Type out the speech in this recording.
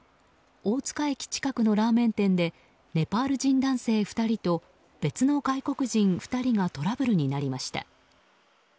大塚駅近くのラーメン店でネパール人男性２人と別の外国人２人がトラブルになりました。